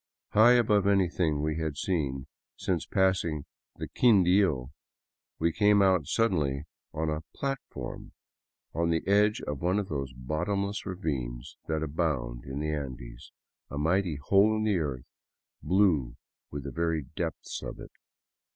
High above anything we had seen since passing the Quindio, we came out suddenly on a " platform '' on the edge of one of those bottomless ravines that abound in the Andes, a mighty hole in the earth, blue with the very depths of it.